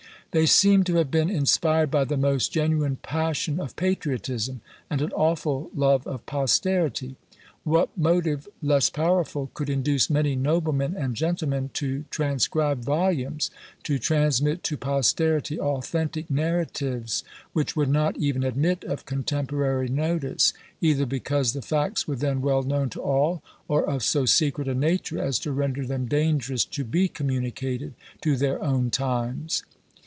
They seem to have been inspired by the most genuine passion of patriotism, and an awful love of posterity. What motive less powerful could induce many noblemen and gentlemen to transcribe volumes; to transmit to posterity authentic narratives, which would not even admit of contemporary notice; either because the facts were then well known to all, or of so secret a nature as to render them dangerous to be communicated to their own times.